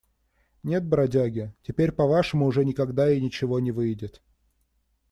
Нет, бродяги, теперь по-вашему уже никогда и ничего не выйдет.